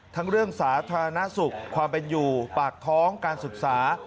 ทั้งเรื่องสาธารณสุขความเป็นอยู่ปากท้องการศึกษา